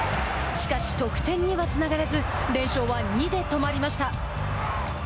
しかし、得点にはつながらず連勝は２で止まりました。